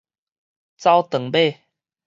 走長碼